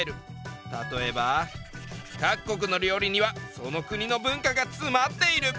例えば「各国の料理にはその国の文化がつまっている」。